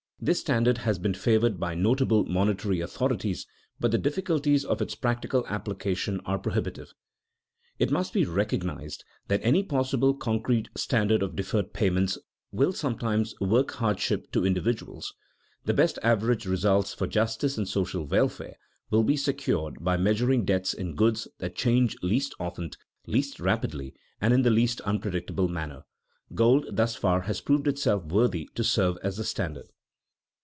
This standard has been favored by notable monetary authorities, but the difficulties of its practical application are prohibitive. It must be recognized that any possible concrete standard of deferred payments will sometimes work hardship to individuals. The best average results for justice and social welfare will be secured by measuring debts in goods that change least often, least rapidly, and in the least unpredictable manner. Gold thus far has proved itself worthy to serve as the standard.